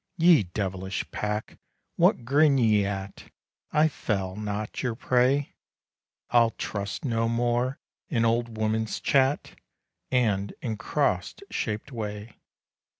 Ye devilish pack, what grin ye at? I fell not your prey; I'll trust no more in old women's chat, And in cross shaped way.